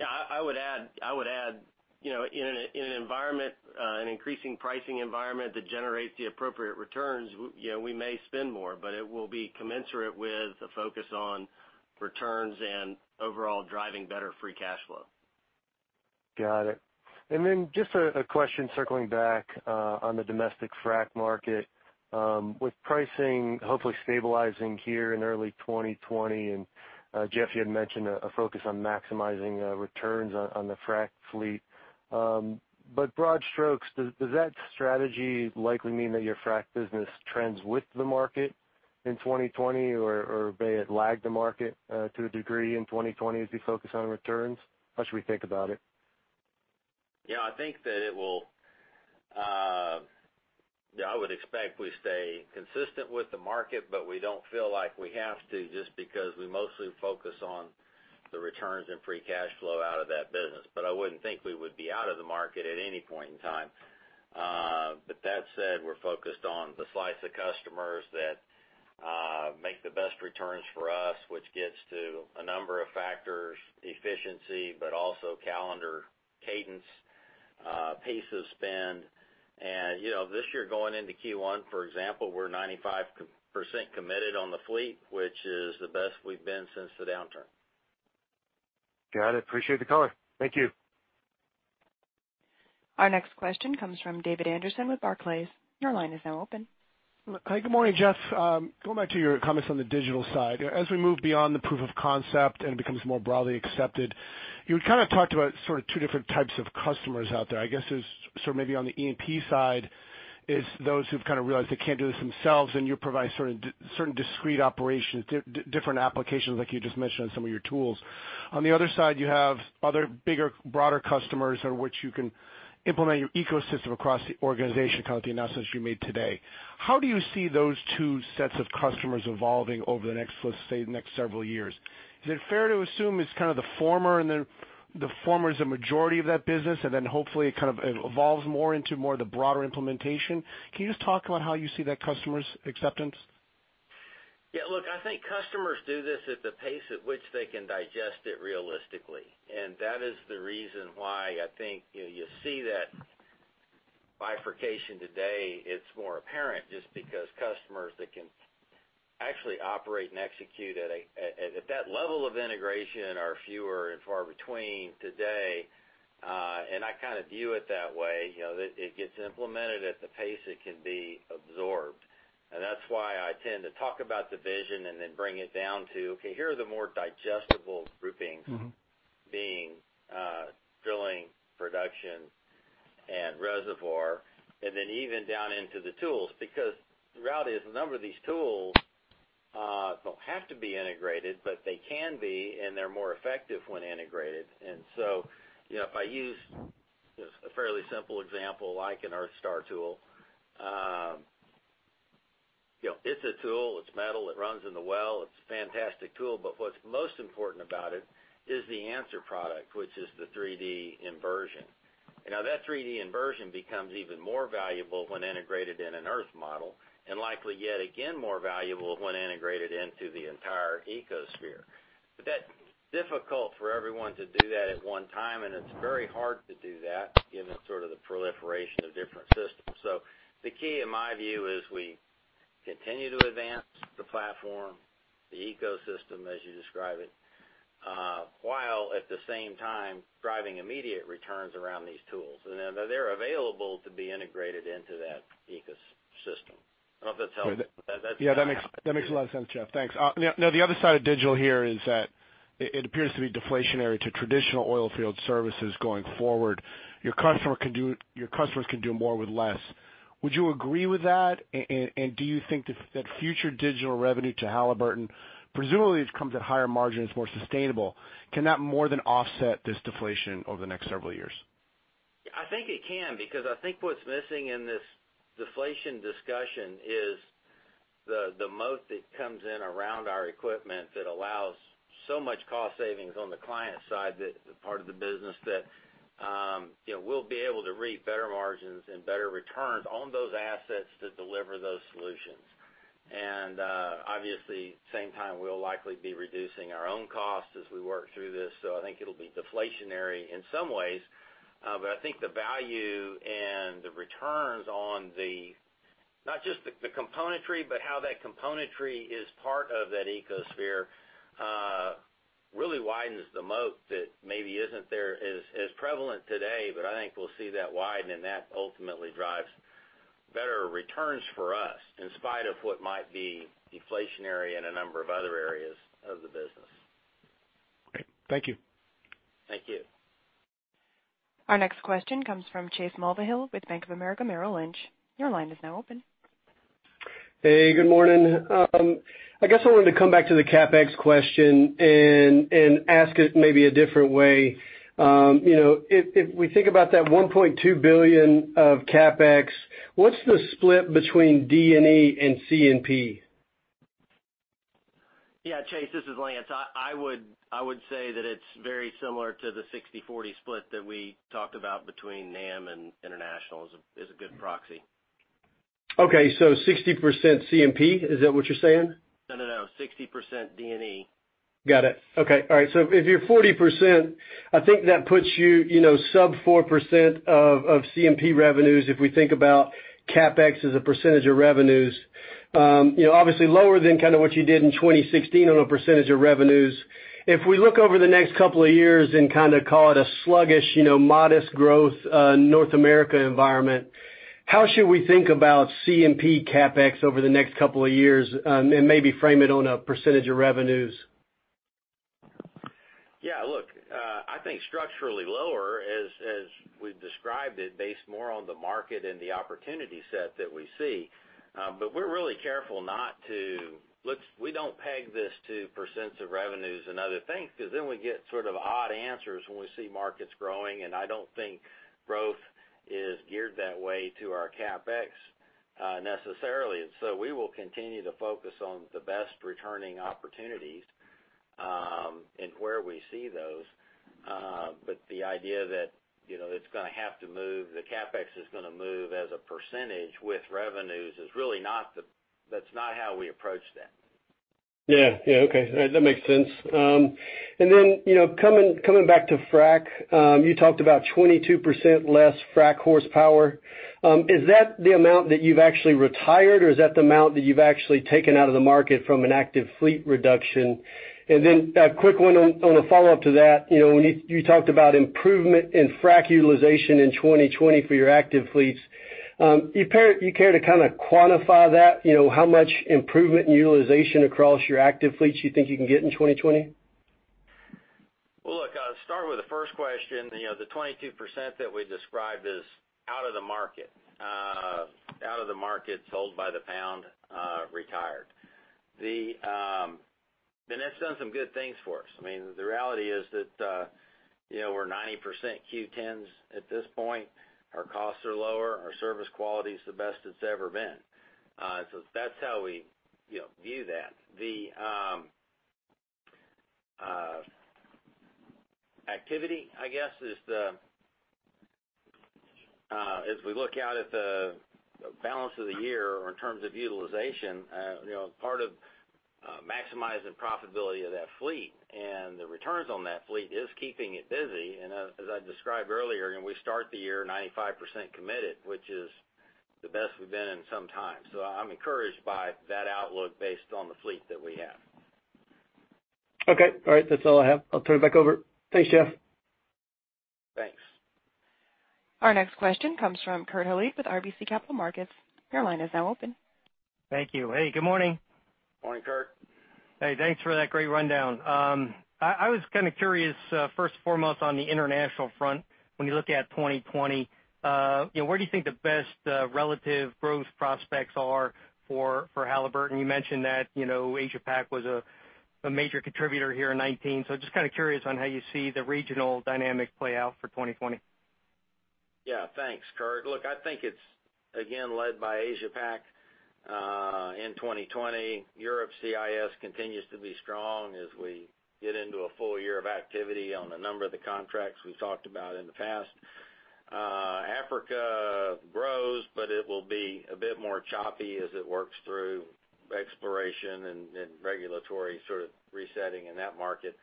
Yeah, I would add, in an increasing pricing environment that generates the appropriate returns, we may spend more, but it will be commensurate with the focus on returns and overall driving better free cash flow. Got it. Just a question circling back on the domestic frac market. With pricing hopefully stabilizing here in early 2020, Jeff, you had mentioned a focus on maximizing returns on the frac fleet. Broad strokes, does that strategy likely mean that your frac business trends with the market in 2020? May it lag the market to a degree in 2020 as you focus on returns? How should we think about it? Yeah, I would expect we stay consistent with the market, but we don't feel like we have to just because we mostly focus on the returns and free cash flow out of that business. I wouldn't think we would be out of the market at any point in time. That said, we're focused on the slice of customers that make the best returns for us, which gets to a number of factors, efficiency, but also calendar cadence, pace of spend. This year going into Q1, for example, we're 95% committed on the fleet, which is the best we've been since the downturn. Got it. Appreciate the color. Thank you. Our next question comes from David Anderson with Barclays. Your line is now open. Hi, good morning, Jeff. Going back to your comments on the digital side. As we move beyond the proof of concept and it becomes more broadly accepted, you had kind of talked about sort of two different types of customers out there. I guess there's sort of maybe on the E&P side is those who've kind of realized they can't do this themselves, and you provide sort of certain discrete operations, different applications, like you just mentioned on some of your tools. On the other side, you have other bigger, broader customers on which you can implement your ecosystem across the organization, kind of the announcements you made today. How do you see those two sets of customers evolving over the next, let's say, next several years? Is it fair to assume it's kind of the former is the majority of that business, and then hopefully it kind of evolves more into more the broader implementation? Can you just talk about how you see that customer's acceptance? Yeah. Look, I think customers do this at the pace at which they can digest it realistically. That is the reason why I think you see that bifurcation today, it's more apparent just because customers that can actually operate and execute at that level of integration are fewer and far between today. I kind of view it that way, that it gets implemented at the pace it can be absorbed. That's why I tend to talk about the vision and then bring it down to, okay, here are the more digestible groupings. Being drilling, production, and reservoir, and then even down into the tools. The reality is, a number of these tools don't have to be integrated, but they can be, and they're more effective when integrated. If I use a fairly simple example, like an EarthStar tool. It's a tool. It's metal. It runs in the well. It's a fantastic tool, but what's most important about it is the answer product, which is the 3D inversion. That 3D inversion becomes even more valuable when integrated in an Earth model, and likely yet again more valuable when integrated into the entire ecosphere. That's difficult for everyone to do that at one time, and it's very hard to do that given sort of the proliferation of different systems. The key in my view is we continue to advance the platform, the ecosystem, as you describe it, while at the same time driving immediate returns around these tools. They're available to be integrated into that ecosystem. I hope that helps. Yeah. That makes a lot of sense, Jeff. Thanks. Now, the other side of digital here is that it appears to be deflationary to traditional oil field services going forward. Your customers can do more with less. Would you agree with that? Do you think that future digital revenue to Halliburton, presumably it comes at higher margins, more sustainable, can that more than offset this deflation over the next several years? I think it can, because I think what's missing in this deflation discussion is the moat that comes in around our equipment that allows so much cost savings on the client side, that part of the business that we'll be able to reap better margins and better returns on those assets that deliver those solutions. Obviously, same time, we'll likely be reducing our own costs as we work through this. I think it'll be deflationary in some ways. I think the value and the returns on the, not just the componentry, but how that componentry is part of that ecosphere, really widens the moat that maybe isn't as prevalent today. I think we'll see that widen, and that ultimately drives better returns for us, in spite of what might be deflationary in a number of other areas of the business. Great. Thank you. Thank you. Our next question comes from Chase Mulvehill with Bank of America Merrill Lynch. Your line is now open. Hey, good morning. I guess I wanted to come back to the CapEx question and ask it maybe a different way. If we think about that $1.2 billion of CapEx, what's the split between D&E and C&P? Yeah, Chase, this is Lance. I would say that it's very similar to the 60/40 split that we talked about between NAM and international is a good proxy. Okay. 60% C&P, is that what you're saying? No. 60% D&E. Got it. Okay. All right. If you're 40%, I think that puts you sub 4% of C&P revenues, if we think about CapEx as a percentage of revenues. Obviously lower than kind of what you did in 2016 on a percentage of revenues. If we look over the next couple of years and kind of call it a sluggish, modest growth, North America environment, how should we think about C&P CapEx over the next couple of years? Maybe frame it on a percentage of revenues. Yeah. Look, I think structurally lower as we've described it, based more on the market and the opportunity set that we see. We're really careful we don't peg this to percents of revenues and other things, because then we get sort of odd answers when we see markets growing, and I don't think growth is geared that way to our CapEx necessarily. We will continue to focus on the best returning opportunities, and where we see those. The idea that it's going to have to move, the CapEx is going to move as a percentage with revenues is really that's not how we approach that. Yeah. Okay. That makes sense. Coming back to frac, you talked about 22% less frac horsepower. Is that the amount that you've actually retired, or is that the amount that you've actually taken out of the market from an active fleet reduction? A quick one on a follow-up to that. When you talked about improvement in frac utilization in 2020 for your active fleets, you care to kind of quantify that? How much improvement in utilization across your active fleets you think you can get in 2020? Well, look, I'll start with the first question. The 22% that we described is out of the market. Out of the market, sold by the pound, retired. It's done some good things for us. I mean, the reality is that we're 90% Q10s at this point. Our costs are lower. Our service quality's the best it's ever been. That's how we view that. Activity, I guess, as we look out at the balance of the year or in terms of utilization, part of maximizing profitability of that fleet and the returns on that fleet is keeping it busy. As I described earlier, we start the year 95% committed, which is the best we've been in some time. I'm encouraged by that outlook based on the fleet that we have. Okay. All right. That's all I have. I'll turn it back over. Thanks, Jeff. Thanks. Our next question comes from Kurt Hallead with RBC Capital Markets. Your line is now open. Thank you. Hey, good morning. Morning, Kurt. Hey, thanks for that great rundown. I was kind of curious, first and foremost, on the international front, when you look at 2020, where do you think the best relative growth prospects are for Halliburton? You mentioned that Asia-Pac was a major contributor here in 2019, so just kind of curious on how you see the regional dynamic play out for 2020. Yeah. Thanks, Kurt. Look, I think it's again led by Asia-Pac in 2020. Europe CIS continues to be strong as we get into a full year of activity on a number of the contracts we've talked about in the past. Africa grows, but it will be a bit more choppy as it works through exploration and regulatory sort of resetting in that market.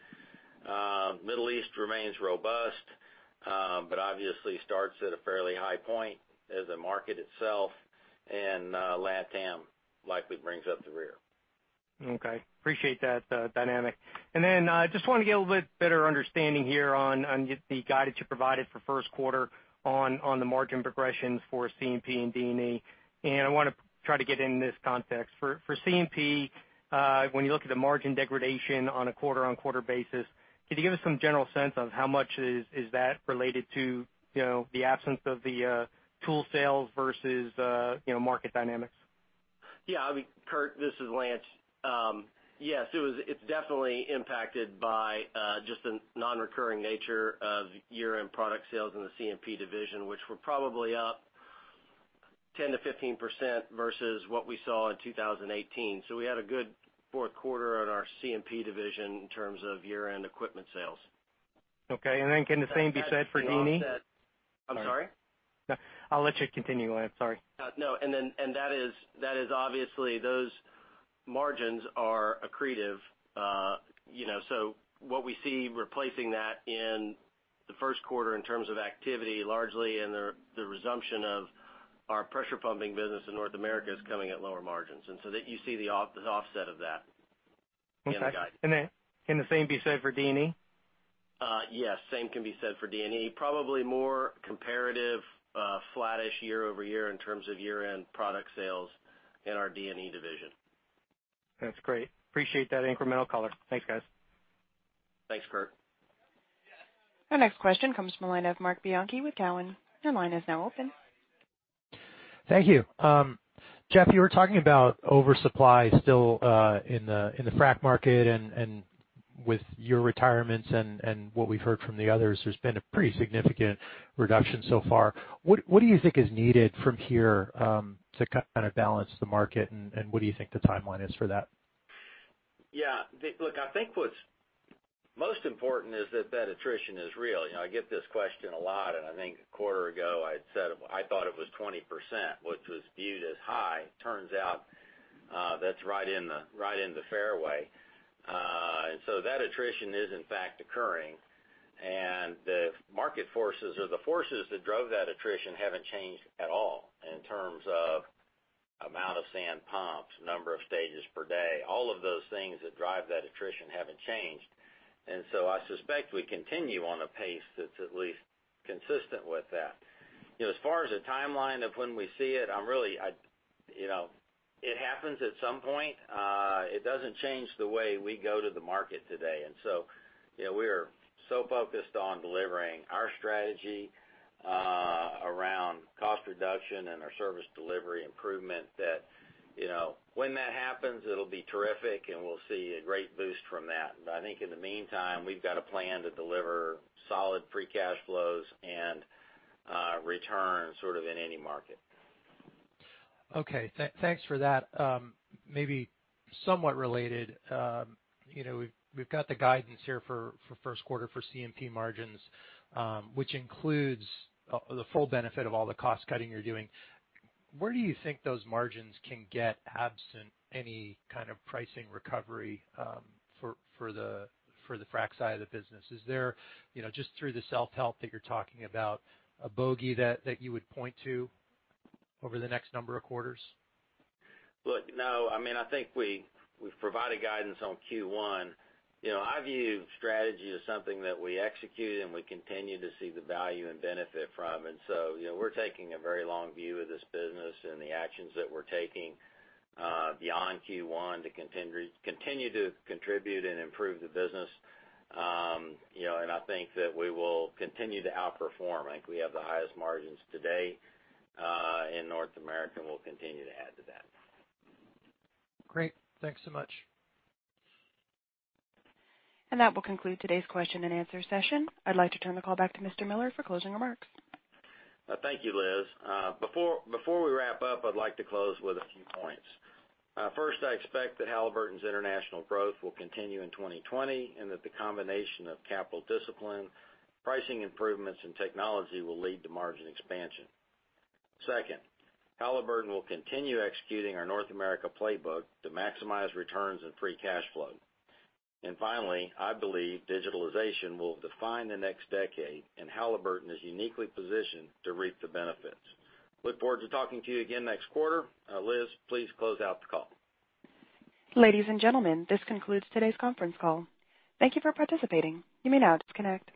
Middle East remains robust, but obviously starts at a fairly high point as the market itself, and LatAm likely brings up the rear. Okay. Appreciate that dynamic. Just wanted to get a little bit better understanding here on the guidance you provided for first quarter on the margin progressions for C&P and D&E. I want to try to get in this context. For C&P, when you look at the margin degradation on a quarter-on-quarter basis, could you give us some general sense of how much is that related to the absence of the tool sales versus market dynamics? Kurt, this is Lance. It's definitely impacted by just the non-recurring nature of year-end product sales in the C&P division, which were probably up 10%-15% versus what we saw in 2018. We had a good fourth quarter on our C&P division in terms of year-end equipment sales. Okay. Can the same be said for D&E? I'm sorry? No, I'll let you continue, Lance. Sorry. No. Obviously, those margins are accretive. What we see replacing that in the first quarter in terms of activity, largely in the resumption of our pressure pumping business in North America is coming at lower margins. That you see the offset of that in the guide. Okay. Can the same be said for D&E? Yes. Same can be said for D&E. Probably more comparative flat-ish year-over-year in terms of year-end product sales in our D&E division. That's great. Appreciate that incremental color. Thanks, guys. Thanks, Kurt. Our next question comes from the line of Marc Bianchi with Cowen. Your line is now open. Thank you. Jeff, you were talking about oversupply still in the frac market. With your retirements and what we've heard from the others, there's been a pretty significant reduction so far. What do you think is needed from here to kind of balance the market? What do you think the timeline is for that? Look, I think what's most important is that that attrition is real. I get this question a lot, I think a quarter ago, I had said I thought it was 20%, which was viewed as high. Turns out that's right in the fairway. That attrition is in fact occurring, the market forces or the forces that drove that attrition haven't changed at all in terms of amount of sand pumped, number of stages per day. All of those things that drive that attrition haven't changed. I suspect we continue on a pace that's at least consistent with that. As far as the timeline of when we see it, it happens at some point. It doesn't change the way we go to the market today. We are so focused on delivering our strategy around cost reduction and our service delivery improvement that when that happens, it'll be terrific, and we'll see a great boost from that. I think in the meantime, we've got a plan to deliver solid free cash flows and returns sort of in any market. Okay. Thanks for that. Maybe somewhat related. We've got the guidance here for first quarter for C&P margins, which includes the full benefit of all the cost-cutting you're doing. Where do you think those margins can get absent any kind of pricing recovery for the frac side of the business? Is there, just through the self-help that you're talking about, a bogey that you would point to over the next number of quarters? Look, no. I think we've provided guidance on Q1. I view strategy as something that we execute, and we continue to see the value and benefit from. We're taking a very long view of this business and the actions that we're taking beyond Q1 to continue to contribute and improve the business. I think that we will continue to outperform. I think we have the highest margins today in North America, and we'll continue to add to that. Great. Thanks so much. That will conclude today's question and answer session. I'd like to turn the call back to Mr. Miller for closing remarks. Thank you, Liz. Before we wrap up, I'd like to close with a few points. First, I expect that Halliburton's international growth will continue in 2020, and that the combination of capital discipline, pricing improvements, and technology will lead to margin expansion. Second, Halliburton will continue executing our North America playbook to maximize returns and free cash flow. Finally, I believe digitalization will define the next decade, and Halliburton is uniquely positioned to reap the benefits. Look forward to talking to you again next quarter. Liz, please close out the call. Ladies and gentlemen, this concludes today's conference call. Thank you for participating. You may now disconnect.